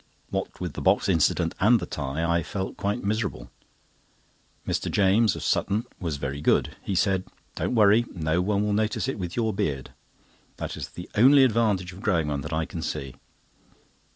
What with the box incident and the tie, I felt quite miserable. Mr. James, of Sutton, was very good. He said: "Don't worry—no one will notice it with your beard. That is the only advantage of growing one that I can see."